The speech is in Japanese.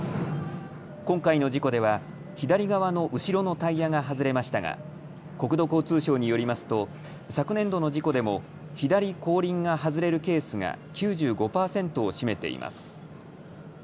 今回の事故では左側の後ろのタイヤが外れましたが国土交通省によりますと昨年度の事故でも左後輪が外れるケースが９５％を占めています。